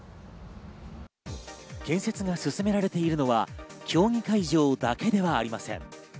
建設が進められているのは競技会場だけではありません。